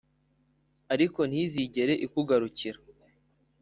ariko ntizigera ikugarukira.